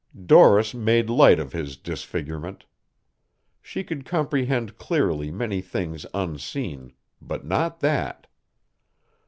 Doris made light of his disfigurement. She could comprehend clearly many things unseen but not that.